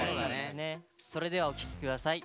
それではお聴き下さい。